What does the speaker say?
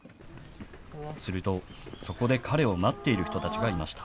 すると、そこで彼を待っている人たちがいました。